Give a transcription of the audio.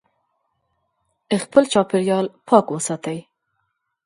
خپل چاپیریال پاک وساتئ.